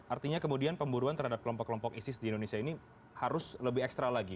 artinya kemudian pemburuan terhadap kelompok kelompok isis di indonesia ini harus lebih ekstra lagi